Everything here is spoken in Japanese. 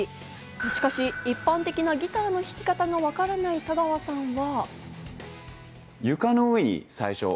しかし、一般的なギターの弾き方がわからない田川さんは。